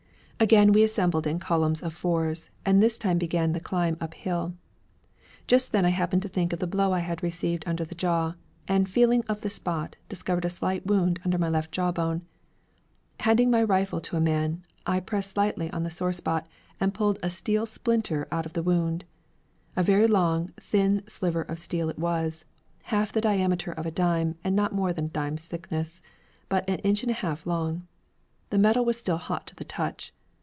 Again we assembled in column of fours, and this time began the climb up hill. Just then I happened to think of the blow I had received under the jaw, and, feeling of the spot, discovered a slight wound under my left jaw bone. Handing my rifle to a man, I pressed slightly upon the sore spot and pulled a steel splinter out of the wound. A very thin, long sliver of steel it was, half the diameter of a dime and not more than a dime's thickness, but an inch and a half long. The metal was still hot to the touch.